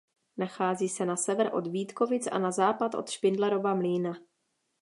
Nachází se na sever od Vítkovic a na západ od Špindlerova Mlýna.